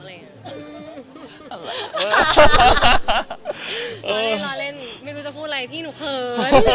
รอเล่นไม่รู้จะพูดอะไรพี่หนูเขิน